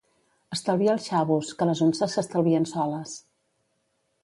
Estalvia els xavos, que les unces s'estalvien soles.